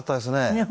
ねえ。